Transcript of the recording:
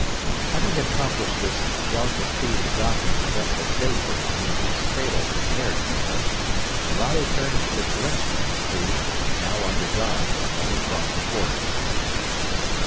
Having accomplished this delicate feat of docking the vessel safely in the immense cradle prepared for her, Nerado turned to the Terrestrials, who, now under guard, had been brought before him.